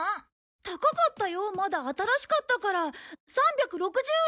高かったよまだ新しかったから３６０円。